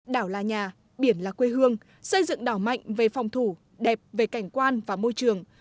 đảo là nhà biển là quê hương xây dựng đảo mạnh về phòng thủ đẹp về cảnh quan và môi trường